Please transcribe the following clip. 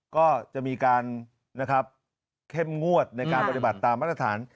ก็จะมีการนะครับเข้มงวดในการปฏิบัติตามมาตรฐาน